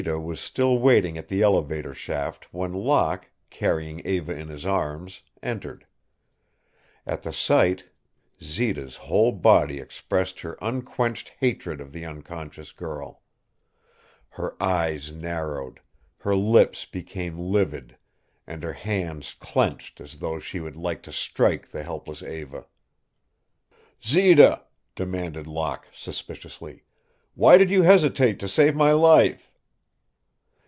Zita vas still waiting at the elevator shaft when Locke, carrying Eva in his arms, entered. At the sight Zita's whole body expressed her unquenched hatred of the unconscious girl. Her eyes narrowed, her lips became livid, and her hands clenched as though she would like to strike the helpless Eva. "Zita," demanded Locke, suspiciously, "why did you hesitate to save my life?"